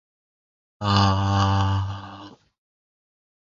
He is an expert on American apples and their history.